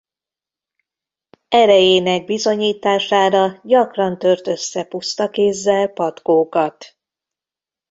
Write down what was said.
Erejének bizonyítására gyakran tört össze puszta kézzel patkókat.